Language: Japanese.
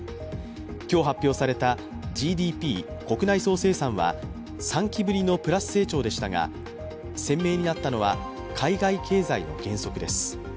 今日発表されたＧＤＰ＝国内総生産は３期ぶりのプラス成長でしたが、鮮明になったのは海外経済の減速です。